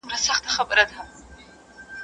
دلته بې په بډه کړم، کلي کي به ئې گډه کړم.